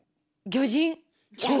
魚人？